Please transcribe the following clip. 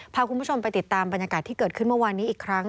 พาคุณผู้ชมไปติดตามบรรยากาศที่เกิดขึ้นเมื่อวานนี้อีกครั้ง